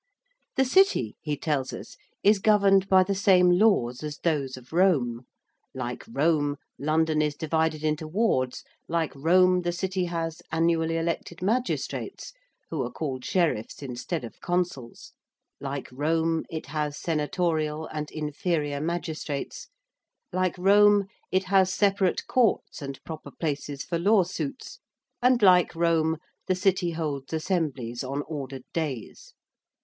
] The City, he tells us, is governed by the same laws as those of Rome. Like Rome, London is divided into wards: like Rome the City has annually elected magistrates who are called Sheriffs instead of Consuls: like Rome it has senatorial and inferior magistrates: like Rome it has separate Courts and proper places for law suits, and like Rome the City holds assemblies on ordered days.